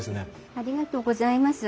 ありがとうございます。